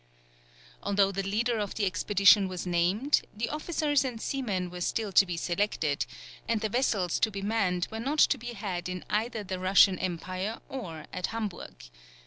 Although the leader of the expedition was named, the officers and seamen were still to be selected, and the vessels to be manned were not to be had in either the Russian empire or at Hamburg.